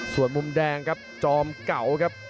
ส่วนมุมแดงครับจอมเก่าครับ